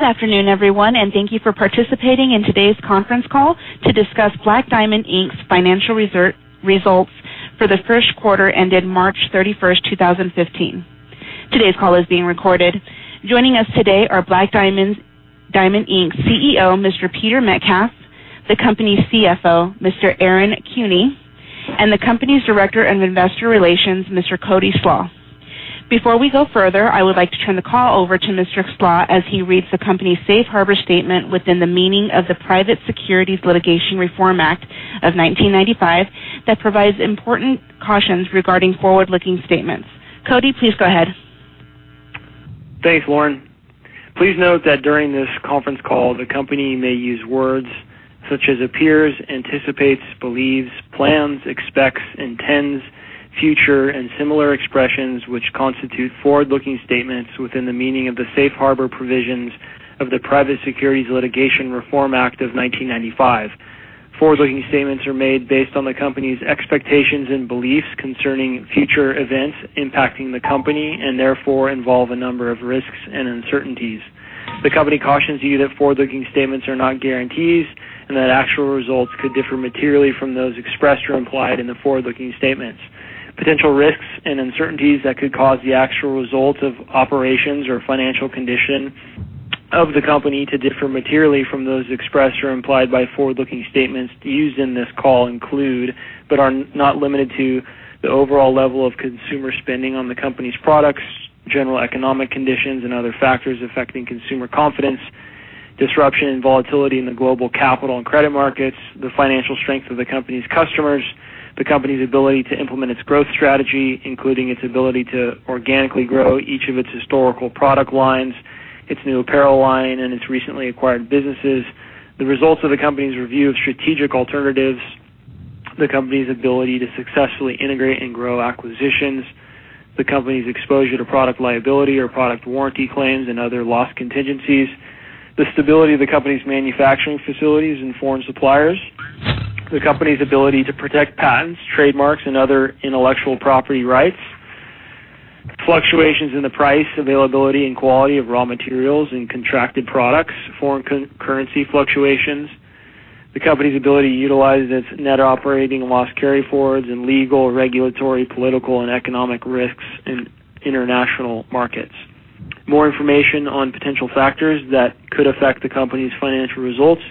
Good afternoon, everyone, thank you for participating in today's conference call to discuss Black Diamond, Inc.'s financial results for the first quarter ended March 31st, 2015. Today's call is being recorded. Joining us today are Black Diamond, Inc.'s CEO, Mr. Peter Metcalf, the company's CFO, Mr. Aaron Kuehne, and the company's Director of Investor Relations, Mr. Cody Slach. Before we go further, I would like to turn the call over to Mr. Slach as he reads the company's safe harbor statement within the meaning of the Private Securities Litigation Reform Act of 1995 that provides important cautions regarding forward-looking statements. Cody, please go ahead. Thanks, Lauren. Please note that during this conference call, the company may use words such as appears, anticipates, believes, plans, expects, intends, future, and similar expressions, which constitute forward-looking statements within the meaning of the safe harbor provisions of the Private Securities Litigation Reform Act of 1995. Forward-looking statements are made based on the company's expectations and beliefs concerning future events impacting the company, and therefore involve a number of risks and uncertainties. The company cautions you that forward-looking statements are not guarantees, and that actual results could differ materially from those expressed or implied in the forward-looking statements. Potential risks and uncertainties that could cause the actual result of operations or financial condition of the company to differ materially from those expressed or implied by forward-looking statements used in this call include, but are not limited to, the overall level of consumer spending on the company's products, general economic conditions and other factors affecting consumer confidence, disruption and volatility in the global capital and credit markets, the financial strength of the company's customers, the company's ability to implement its growth strategy. Including its ability to organically grow each of its historical product lines, its new apparel line, and its recently acquired businesses, the results of the company's review of strategic alternatives, the company's ability to successfully integrate and grow acquisitions, the company's exposure to product liability or product warranty claims and other loss contingencies. The stability of the company's manufacturing facilities and foreign suppliers, the company's ability to protect patents, trademarks, and other intellectual property rights, fluctuations in the price, availability, and quality of raw materials and contracted products, foreign currency fluctuations, the company's ability to utilize its net operating loss carryforwards in legal, regulatory, political, and economic risks in international markets. More information on potential factors that could affect the company's financial results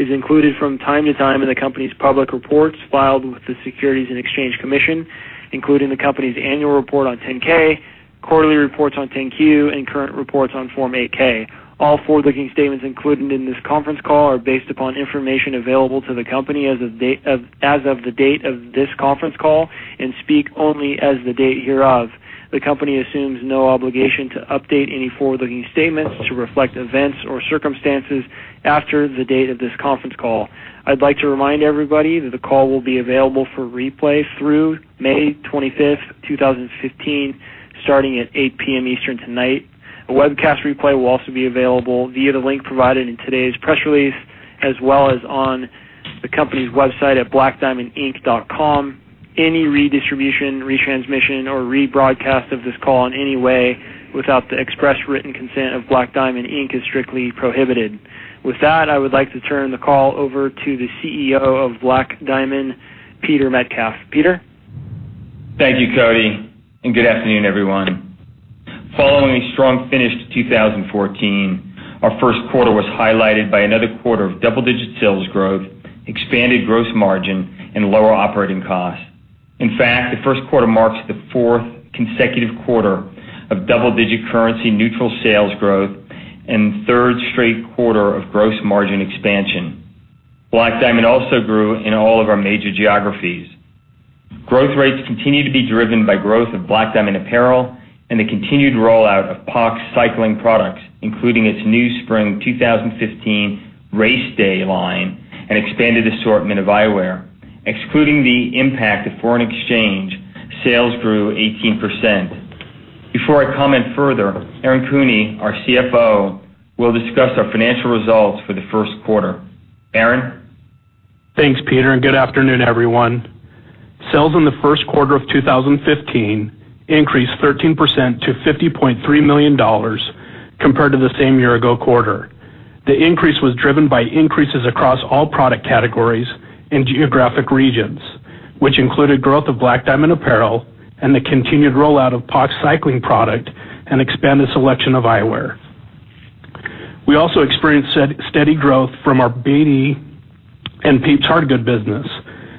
is included from time to time in the company's public reports filed with the Securities and Exchange Commission, including the company's annual report on 10-K, quarterly reports on 10-Q, and current reports on Form 8-K. All forward-looking statements included in this conference call are based upon information available to the company as of the date of this conference call and speak only as the date hereof. The company assumes no obligation to update any forward-looking statements to reflect events or circumstances after the date of this conference call. I'd like to remind everybody that the call will be available for replay through May 25th, 2015, starting at 8:00 P.M. Eastern tonight. A webcast replay will also be available via the link provided in today's press release, as well as on the company's website at blackdiamondinc.com. Any redistribution, retransmission, or rebroadcast of this call in any way without the express written consent of Black Diamond Inc. is strictly prohibited. With that, I would like to turn the call over to the CEO of Black Diamond, Peter Metcalf. Peter? Thank you, Cody, good afternoon, everyone. Following a strong finish to 2014, our first quarter was highlighted by another quarter of double-digit sales growth, expanded gross margin, and lower operating costs. In fact, the first quarter marks the fourth consecutive quarter of double-digit currency neutral sales growth and third straight quarter of gross margin expansion. Black Diamond also grew in all of our major geographies. Growth rates continue to be driven by growth of Black Diamond apparel and the continued rollout of POC cycling products, including its new Spring 2015 RaceDay line and expanded assortment of eyewear. Excluding the impact of foreign exchange, sales grew 18%. Before I comment further, Aaron Kuehne, our CFO, will discuss our financial results for the first quarter. Aaron? Thanks, Peter. Good afternoon, everyone. Sales in the first quarter of 2015 increased 13% to $50.3 million compared to the same year-ago quarter. The increase was driven by increases across all product categories and geographic regions, which included growth of Black Diamond apparel and the continued rollout of POC cycling product and expanded selection of eyewear. We also experienced steady growth from our BD and Pieps hard goods business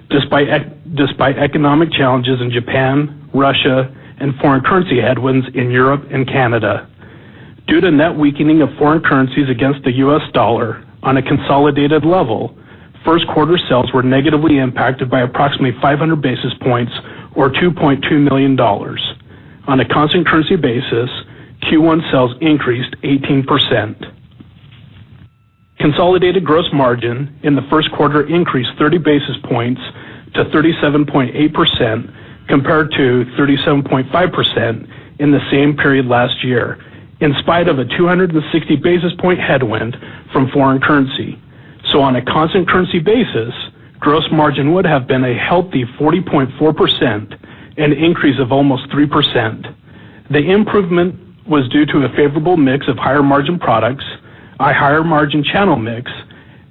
despite economic challenges in Japan, Russia, and foreign currency headwinds in Europe and Canada. Due to net weakening of foreign currencies against the U.S. dollar on a consolidated level, first quarter sales were negatively impacted by approximately 500 basis points or $2.2 million. On a constant currency basis, Q1 sales increased 18%. Consolidated gross margin in the first quarter increased 30 basis points to 37.8%, compared to 37.5% in the same period last year, in spite of a 260 basis point headwind from foreign currency. On a constant currency basis, gross margin would have been a healthy 40.4%, an increase of almost 3%. The improvement was due to a favorable mix of higher margin products by higher margin channel mix,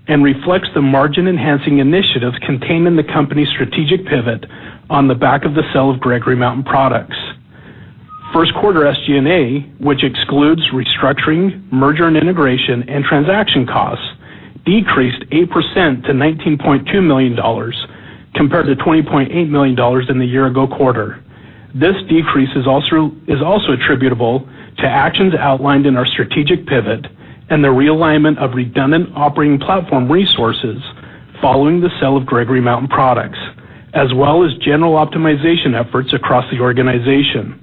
and reflects the margin-enhancing initiatives contained in the company's strategic pivot on the back of the sale of Gregory Mountain Products. First quarter SG&A, which excludes restructuring, merger and integration, and transaction costs, decreased 8% to $19.2 million, compared to $20.8 million in the year ago quarter. This decrease is also attributable to actions outlined in our strategic pivot and the realignment of redundant operating platform resources following the sale of Gregory Mountain Products, as well as general optimization efforts across the organization.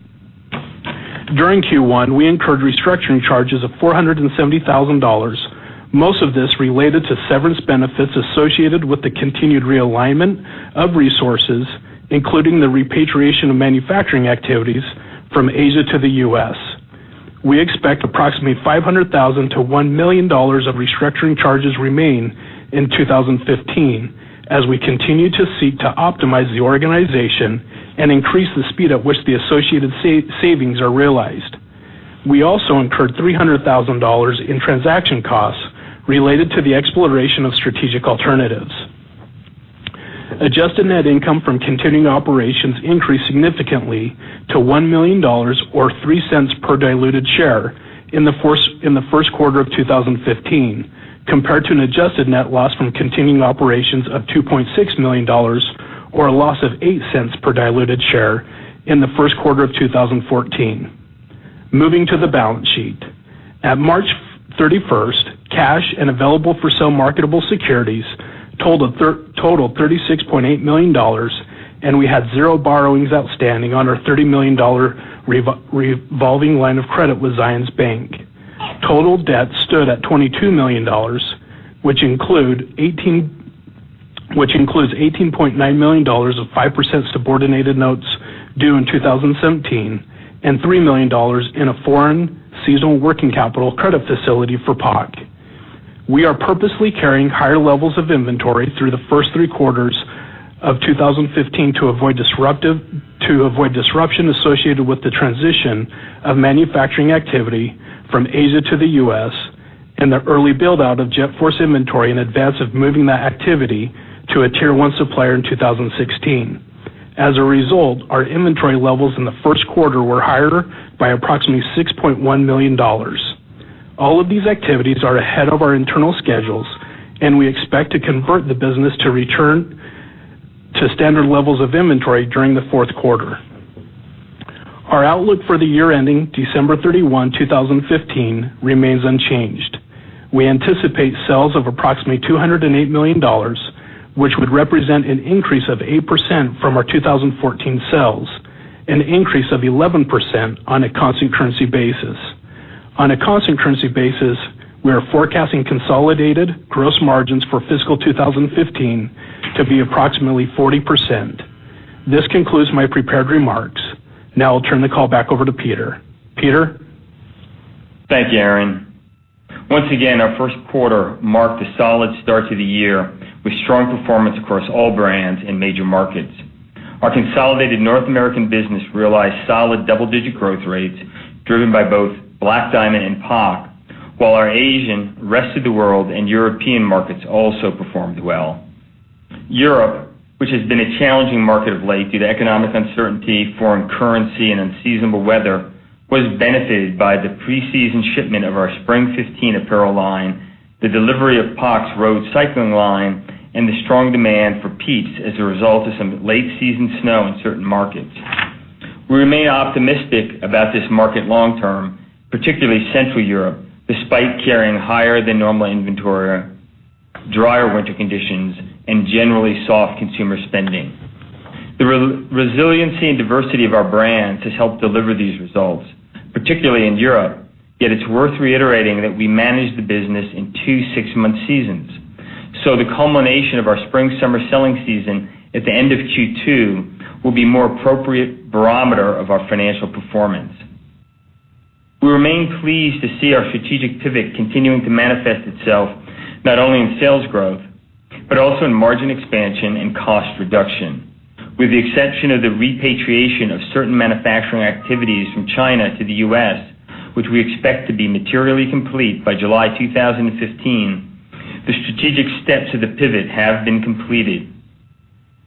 During Q1, we incurred restructuring charges of $470,000, most of this related to severance benefits associated with the continued realignment of resources, including the repatriation of manufacturing activities from Asia to the U.S. We expect approximately $500,000-$1 million of restructuring charges remain in 2015 as we continue to seek to optimize the organization and increase the speed at which the associated savings are realized. We also incurred $300,000 in transaction costs related to the exploration of strategic alternatives. Adjusted net income from continuing operations increased significantly to $1 million, or $0.03 per diluted share, in the first quarter of 2015, compared to an adjusted net loss from continuing operations of $2.6 million, or a loss of $0.08 per diluted share in the first quarter of 2014. Moving to the balance sheet. At March 31st, cash and available for sale marketable securities totaled $36.8 million, and we had zero borrowings outstanding on our $30 million revolving line of credit with Zions Bank. Total debt stood at $22 million, which includes $18.9 million of 5% subordinated notes due in 2017, and $3 million in a foreign seasonal working capital credit facility for POC. We are purposely carrying higher levels of inventory through the first three quarters of 2015 to avoid disruption associated with the transition of manufacturing activity from Asia to the U.S., and the early build-out of JetForce inventory in advance of moving that activity to a tier 1 supplier in 2016. As a result, our inventory levels in the first quarter were higher by approximately $6.1 million. All of these activities are ahead of our internal schedules, and we expect to convert the business to return to standard levels of inventory during the fourth quarter. Our outlook for the year ending December 31, 2015, remains unchanged. We anticipate sales of approximately $208 million, which would represent an increase of 8% from our 2014 sales, an increase of 11% on a constant currency basis. On a constant currency basis, we are forecasting consolidated gross margins for fiscal 2015 to be approximately 40%. This concludes my prepared remarks. Now I'll turn the call back over to Peter. Peter? Thank you, Aaron. Once again, our first quarter marked a solid start to the year with strong performance across all brands and major markets. Our consolidated North American business realized solid double-digit growth rates driven by both Black Diamond and POC, while our Asian, rest of the world, and European markets also performed well. Europe, which has been a challenging market of late due to economic uncertainty, foreign currency, and unseasonable weather, was benefited by the pre-season shipment of our spring 2015 apparel line, the delivery of POC's road cycling line, and the strong demand for Pieps as a result of some late season snow in certain markets. We remain optimistic about this market long term, particularly Central Europe, despite carrying higher than normal inventory, drier winter conditions, and generally soft consumer spending. The resiliency and diversity of our brands has helped deliver these results, particularly in Europe. It's worth reiterating that we manage the business in two six-month seasons. The culmination of our spring/summer selling season at the end of Q2 will be a more appropriate barometer of our financial performance. We remain pleased to see our strategic pivot continuing to manifest itself not only in sales growth, but also in margin expansion and cost reduction. With the exception of the repatriation of certain manufacturing activities from China to the U.S., which we expect to be materially complete by July 2015, the strategic steps of the pivot have been completed.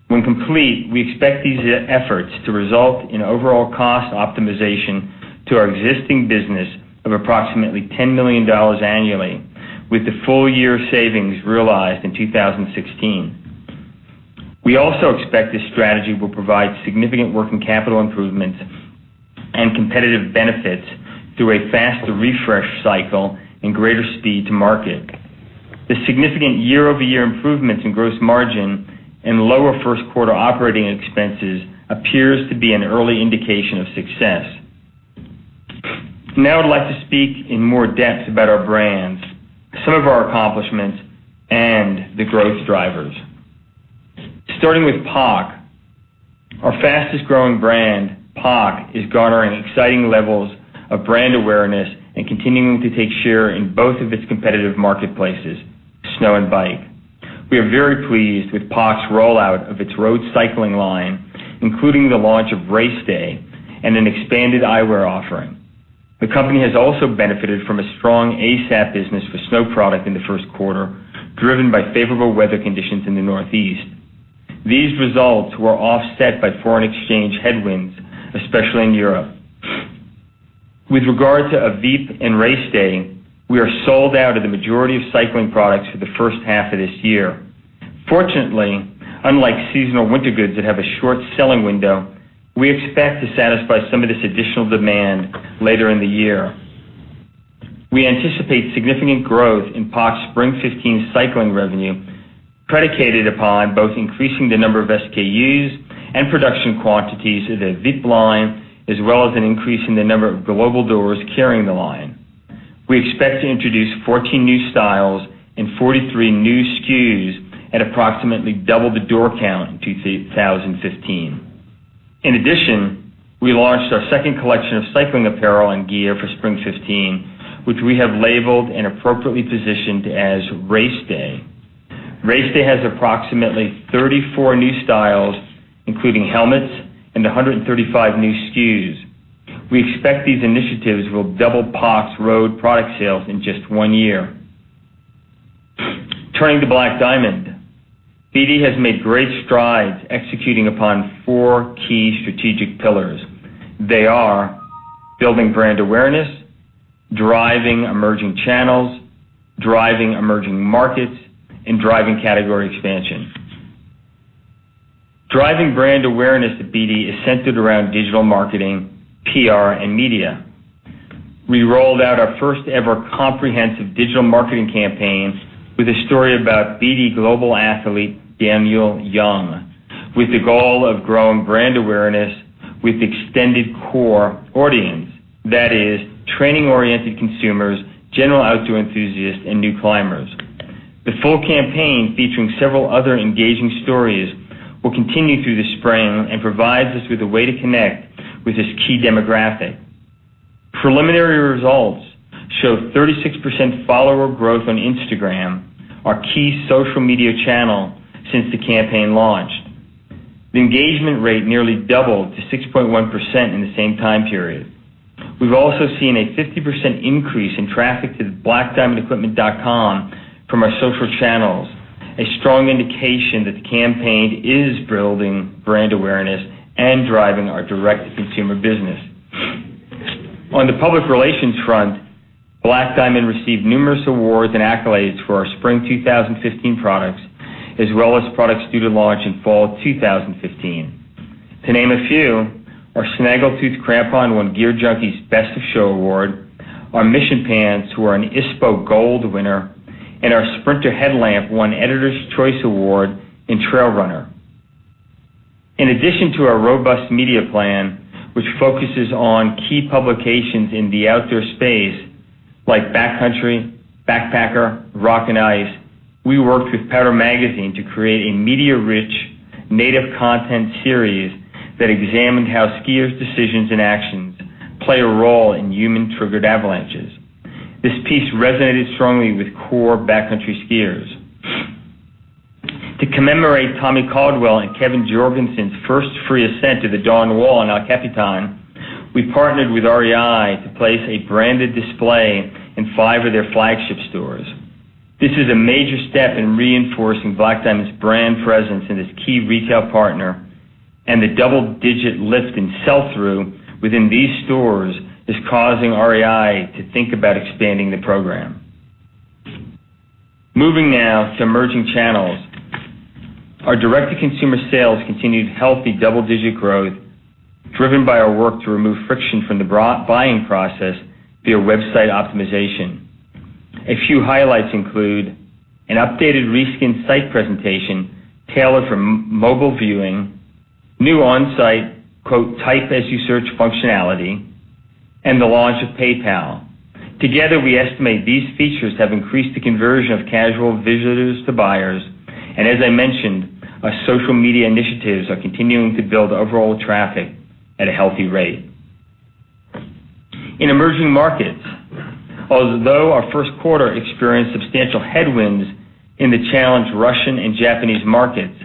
When complete, we expect these efforts to result in overall cost optimization to our existing business of approximately $10 million annually, with the full year savings realized in 2016. We also expect this strategy will provide significant working capital improvements and competitive benefits through a faster refresh cycle and greater speed to market. The significant year-over-year improvements in gross margin and lower first quarter operating expenses appears to be an early indication of success. I'd like to speak in more depth about our brands, some of our accomplishments, and the growth drivers. Starting with POC. Our fastest-growing brand, POC, is garnering exciting levels of brand awareness and continuing to take share in both of its competitive marketplaces, snow and bike. We are very pleased with POC's rollout of its road cycling line, including the launch of RaceDay and an expanded eyewear offering. The company has also benefited from a strong ASAP business for snow product in the first quarter, driven by favorable weather conditions in the Northeast. These results were offset by foreign exchange headwinds, especially in Europe. With regard to AVIP and RaceDay, we are sold out of the majority of cycling products for the first half of this year. Fortunately, unlike seasonal winter goods that have a short selling window, we expect to satisfy some of this additional demand later in the year. We anticipate significant growth in POC's Spring 2015 cycling revenue, predicated upon both increasing the number of SKUs and production quantities of the AVIP line, as well as an increase in the number of global doors carrying the line. We expect to introduce 14 new styles and 43 new SKUs at approximately double the door count in 2015. In addition, we launched our second collection of cycling apparel and gear for Spring 2015, which we have labeled and appropriately positioned as RaceDay. RaceDay has approximately 34 new styles, including helmets and 135 new SKUs. We expect these initiatives will double POC's road product sales in just one year. Turning to Black Diamond. BD has made great strides executing upon four key strategic pillars. They are building brand awareness, driving emerging channels, driving emerging markets, and driving category expansion. Driving brand awareness at BD is centered around digital marketing, PR, and media. We rolled out our first-ever comprehensive digital marketing campaign with a story about BD global athlete, Daniel Jung, with the goal of growing brand awareness with extended core audience. That is, training-oriented consumers, general outdoor enthusiasts, and new climbers. The full campaign, featuring several other engaging stories, will continue through the spring and provides us with a way to connect with this key demographic. Preliminary results show 36% follower growth on Instagram, our key social media channel, since the campaign launched. The engagement rate nearly doubled to 6.1% in the same time period. We've also seen a 50% increase in traffic to the blackdiamondequipment.com from our social channels, a strong indication that the campaign is building brand awareness and driving our direct-to-consumer business. On the public relations front, Black Diamond received numerous awards and accolades for our Spring 2015 products, as well as products due to launch in fall 2015. To name a few, our Snaggletooth Crampon won GearJunkie's Best of Show Award, our Mission Pants were an ISPO gold winner, and our Sprinter Headlamp won Editors' Choice Award in Trail Runner. In addition to our robust media plan, which focuses on key publications in the outdoor space like Backcountry, Backpacker, Rock and Ice, we worked with Powder Magazine to create a media-rich native content series that examined how skiers' decisions and actions play a role in human-triggered avalanches. This piece resonated strongly with core backcountry skiers. To commemorate Tommy Caldwell and Kevin Jorgeson's first free ascent of the Dawn Wall on El Capitan, we partnered with REI to place a branded display in five of their flagship stores. This is a major step in reinforcing Black Diamond's brand presence in this key retail partner. The double-digit lift in sell-through within these stores is causing REI to think about expanding the program. Moving now to emerging channels. Our direct-to-consumer sales continued healthy double-digit growth, driven by our work to remove friction from the buying process via website optimization. A few highlights include an updated reskinned site presentation tailored for mobile viewing, new on-site "type as you search" functionality, and the launch of PayPal. Together, we estimate these features have increased the conversion of casual visitors to buyers. As I mentioned, our social media initiatives are continuing to build overall traffic at a healthy rate. In emerging markets, although our first quarter experienced substantial headwinds in the challenged Russian and Japanese markets,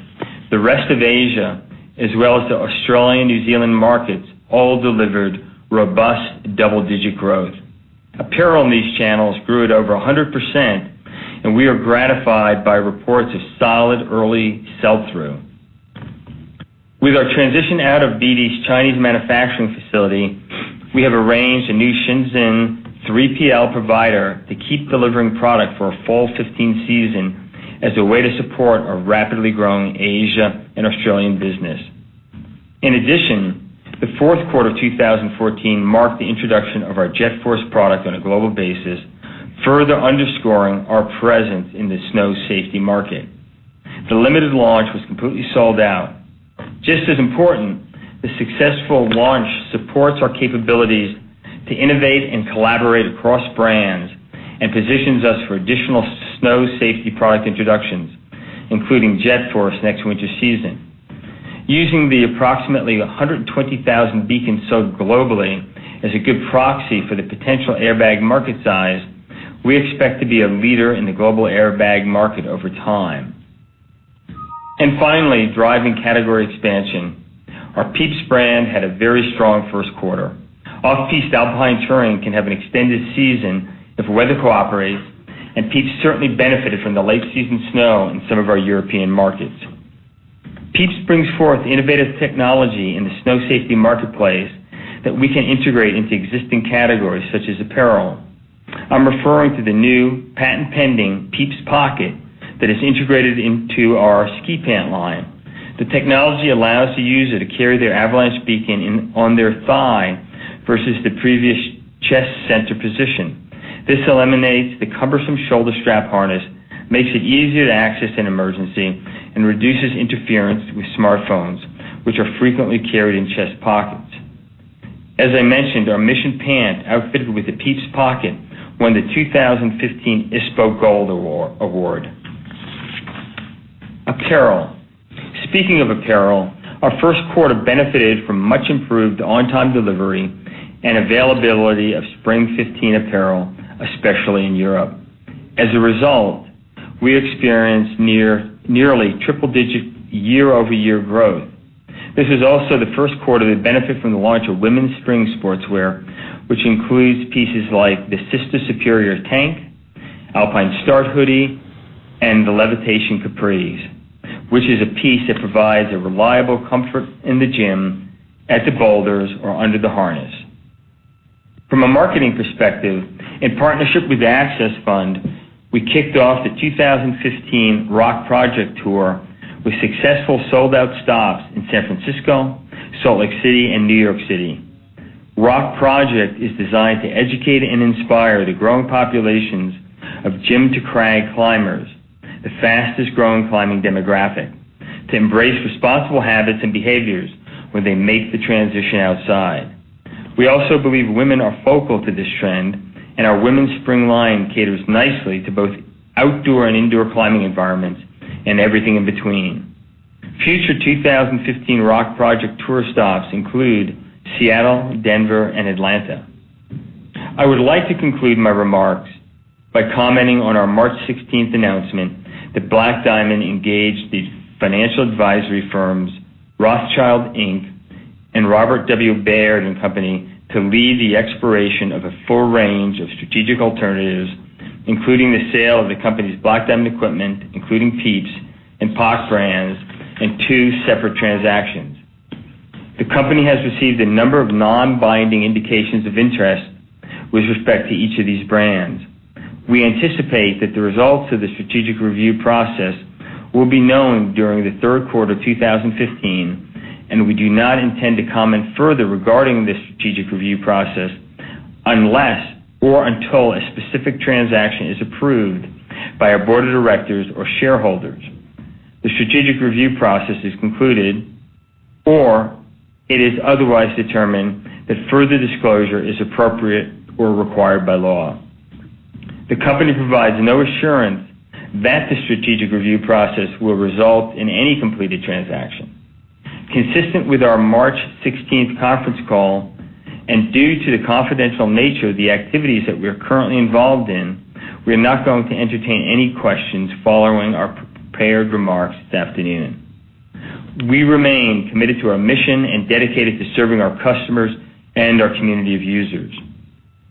the rest of Asia, as well as the Australian and New Zealand markets, all delivered robust double-digit growth. Apparel in these channels grew at over 100%, and we are gratified by reports of solid early sell-through. With our transition out of BD's Chinese manufacturing facility, we have arranged a new Shenzhen 3PL provider to keep delivering product for our Fall 2015 season as a way to support our rapidly growing Asia and Australian business. In addition, the fourth quarter of 2014 marked the introduction of our JetForce product on a global basis, further underscoring our presence in the snow safety market. The limited launch was completely sold out. Just as important, the successful launch supports our capabilities to innovate and collaborate across brands and positions us for additional snow safety product introductions, including JetForce next winter season. Using the approximately 120,000 beacons sold globally as a good proxy for the potential airbag market size, we expect to be a leader in the global airbag market over time. Finally, driving category expansion. Our Pieps brand had a very strong first quarter. Off-piste alpine touring can have an extended season if weather cooperates, and Pieps certainly benefited from the late season snow in some of our European markets. Pieps brings forth innovative technology in the snow safety marketplace that we can integrate into existing categories such as apparel. I'm referring to the new patent-pending Pieps Pocket that is integrated into our ski pant line. The technology allows the user to carry their avalanche beacon on their thigh versus the previous chest center position. This eliminates the cumbersome shoulder strap harness, makes it easier to access in emergency, and reduces interference with smartphones, which are frequently carried in chest pockets. As I mentioned, our Mission pant, outfitted with the Pieps Pocket, won the 2015 ISPO Gold Award. Apparel. Speaking of apparel, our first quarter benefited from much improved on-time delivery and availability of spring 2015 apparel, especially in Europe. As a result, we experienced nearly triple-digit year-over-year growth. This was also the first quarter to benefit from the launch of women's spring sportswear, which includes pieces like the Sister Superior Tank, Alpine Start Hoody, and the Levitation Capris, which is a piece that provides a reliable comfort in the gym, at the boulders, or under the harness. From a marketing perspective, in partnership with the Access Fund, we kicked off the 2015 Rock Project tour with successful sold-out stops in San Francisco, Salt Lake City, and New York City. Rock Project is designed to educate and inspire the growing populations of gym-to-crag climbers, the fastest-growing climbing demographic, to embrace responsible habits and behaviors when they make the transition outside. We also believe women are focal to this trend, and our women's spring line caters nicely to both outdoor and indoor climbing environments and everything in between. Future 2015 Rock Project tour stops include Seattle, Denver, and Atlanta. I would like to conclude my remarks by commenting on our March 16th announcement that Black Diamond engaged the financial advisory firms Rothschild & Co and Robert W. Baird & Co. to lead the exploration of a full range of strategic alternatives, including the sale of the company's Black Diamond Equipment, including Pieps and POC brands in two separate transactions. The company has received a number of non-binding indications of interest with respect to each of these brands. We anticipate that the results of the strategic review process will be known during the third quarter 2015, and we do not intend to comment further regarding this strategic review process unless or until a specific transaction is approved by our board of directors or shareholders. The strategic review process is concluded, or it is otherwise determined that further disclosure is appropriate or required by law. The company provides no assurance that the strategic review process will result in any completed transaction. Consistent with our March 16th conference call and due to the confidential nature of the activities that we're currently involved in, we're not going to entertain any questions following our prepared remarks this afternoon. We remain committed to our mission and dedicated to serving our customers and our community of users.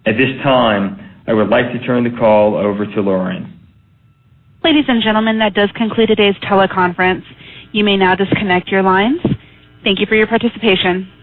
At this time, I would like to turn the call over to Lauren. Ladies and gentlemen, that does conclude today's teleconference. You may now disconnect your lines. Thank you for your participation.